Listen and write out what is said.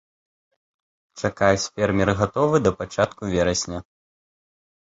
Чакаць фермер гатовы да пачатку верасня.